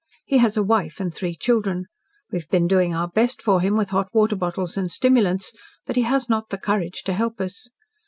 He has a wife and three children. We have been doing our best for him with hot water bottles and stimulants, but he has not the courage to help us.